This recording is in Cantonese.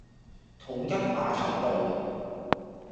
統一碼頭道